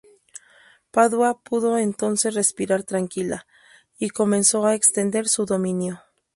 Padua pudo entonces respirar tranquila, y comenzó a extender su dominio.